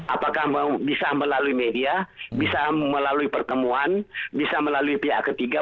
apakah bisa melalui media bisa melalui pertemuan bisa melalui pihak ketiga